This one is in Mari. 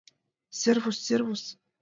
— Сервус, сервус.